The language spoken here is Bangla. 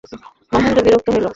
মহেন্দ্র বিরক্ত হইল।